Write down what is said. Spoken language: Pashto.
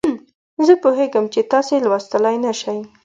زه پوهیږم چې تاسې یې لوستلای نه شئ.